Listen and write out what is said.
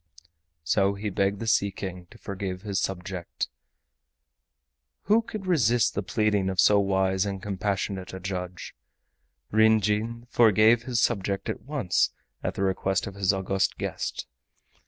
So he begged the Sea King to forgive his subject. Who could resist the pleading of so wise and compassionate a judge? Ryn Jin forgave his subject at once at the request of his august guest.